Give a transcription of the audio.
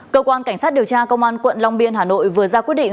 cơ quan cảnh sát điều tra công an quận long biên hà nội vừa ra quyết định